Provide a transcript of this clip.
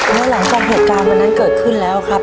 แล้วหลังจากเหตุการณ์วันนั้นเกิดขึ้นแล้วครับ